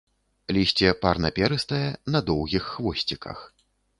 Лісце парнаперыстае, на доўгіх хвосціках.